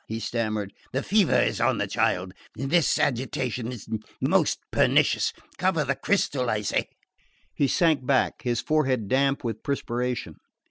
he stammered. "The fever is on the child...this agitation is...most pernicious...Cover the crystal, I say!" He sank back, his forehead damp with perspiration.